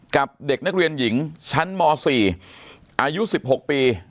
กับเด็กนักเรียนหญิงชั้นม๔อายุ๑๖ปี